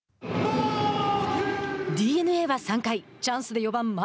ＤｅＮＡは３回チャンスで４番牧。